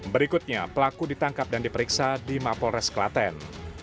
berikutnya pelaku ditangkap dan diperiksa di mapolres klaten